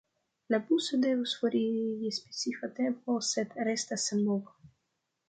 La buso devus foriri je specifa tempo, sed restas senmova.